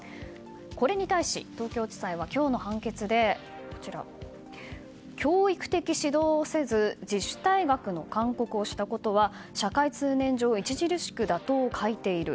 これに対し、東京地裁は今日の判決で教育的指導をせず自主退学の勧告をしたことは社会通念上、著しく妥当を欠いている。